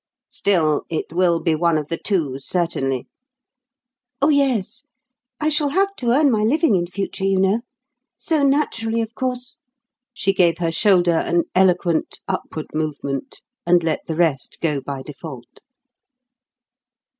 "Still, it will be one of the two certainly?" "Oh, yes. I shall have to earn my living in future, you know; so, naturally, of course " She gave her shoulder an eloquent upward movement, and let the rest go by default.